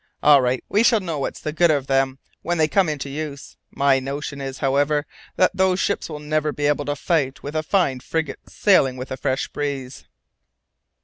All right, we shall know what's the good of them when they come into use. My notion is, however, that those ships will never be able to fight with a fine frigate sailing with a fresh breeze."